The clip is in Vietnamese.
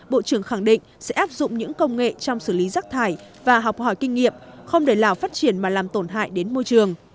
bộ trưởng khẳng định sẽ áp dụng những công nghệ trong xử lý rác thải và học hỏi kinh nghiệm không để lào phát triển mà làm tổn hại đến môi trường